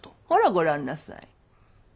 ほらご覧なさい。